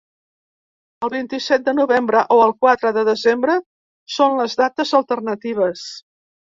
El vint-i-set de novembre o el quatre de desembre són les dates alternatives.